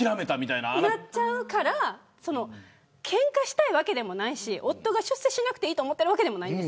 なっちゃうからけんかしたいわけでもないし夫が出世しなくていいと思ってるわけでもないんです。